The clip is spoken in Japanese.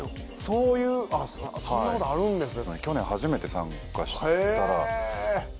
そういうそんなのがあるんですね。